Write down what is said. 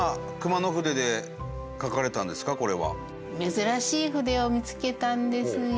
珍しい筆を見つけたんですよ。